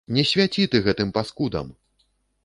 Не свяці ты гэтым паскудам!